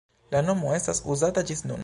La nomo estas uzata ĝis nun.